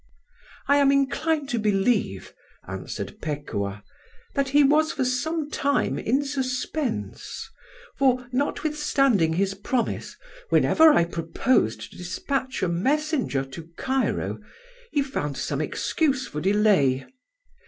"I am inclined to believe," answered Pekuah, "that he was for some time in suspense; for, notwithstanding his promise, whenever I proposed to despatch a messenger to Cairo he found some excuse for delay.